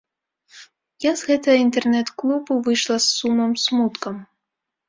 Я з гэтага інтэрнэт-клубу выйшла з сумам-смуткам.